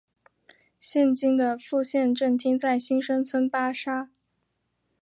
现今的副县政厅在新生村巴刹。